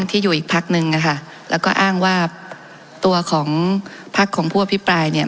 ที่อยู่อีกพักนึงนะคะแล้วก็อ้างว่าตัวของพักของผู้อภิปรายเนี่ย